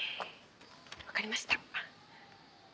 わかりました。